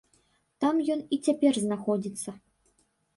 Там ён і цяпер знаходзіцца.